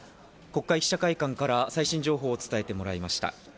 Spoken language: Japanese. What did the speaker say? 国会記者会館から最新情報を伝えてもらいました。